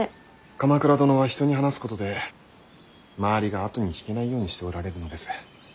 鎌倉殿は人に話すことで周りが後に引けないようにしておられるのです。